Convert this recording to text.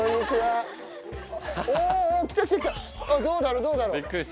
どうだろう？あっ。